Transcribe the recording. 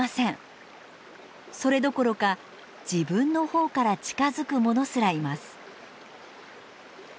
それどころか自分のほうから近づくものすらいます。